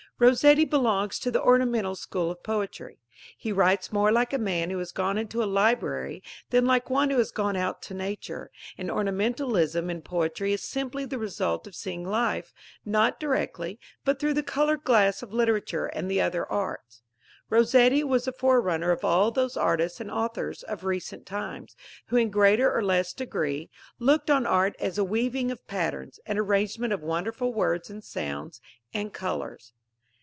Rossetti belongs to the ornamental school of poetry. He writes more like a man who has gone into a library than like one who has gone out to Nature, and ornamentalism in poetry is simply the result of seeing life, not directly, but through the coloured glass of literature and the other arts. Rossetti was the forerunner of all those artists and authors of recent times, who, in greater or less degree, looked on art as a weaving of patterns, an arrangement of wonderful words and sounds and colours.